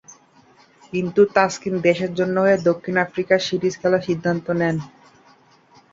কিন্তু তাসকিন দেশের হয়ে দক্ষিণ আফ্রিকা সিরিজ খেলার সিদ্ধান্ত নেন।